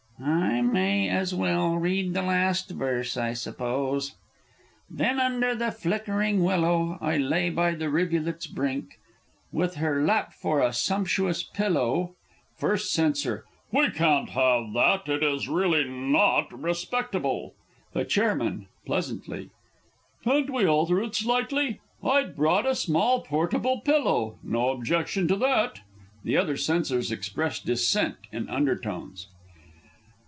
_) I may as well read the last verse, I suppose: "Then under the flickering willow I lay by the rivulet's brink, With her lap for a sumptuous pillow " First Censor. We can't have that. It is really not respectable. The Ch. (pleasantly.) Can't we alter it slightly? "I'd brought a small portable pillow." No objection to that! [_The other Censors express dissent in undertones.